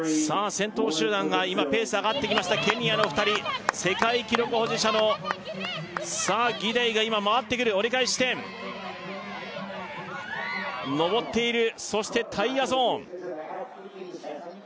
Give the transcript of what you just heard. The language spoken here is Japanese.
先頭集団が今ペース上がってきましたケニアの２人世界記録保持者のギデイが今回ってくる折り返し地点上っているそしてタイヤゾーン